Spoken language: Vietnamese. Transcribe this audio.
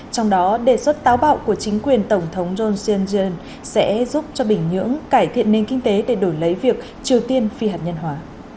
trong đó đề xuất táo bạo của chính quyền tổng thống johnson sẽ giúp cho bình nhưỡng cải thiện nền kinh tế để đổi lấy việc triều tiên phi hạt nhân hóa